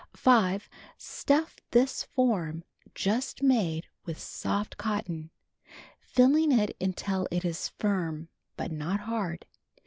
5. Stuff this form just made with soft cotton, filling it until it is firm but not hard.